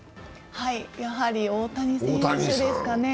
やはり大谷選手ですかね。